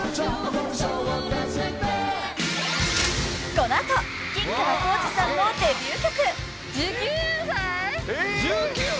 ［この後吉川晃司さんのデビュー曲］１９歳！？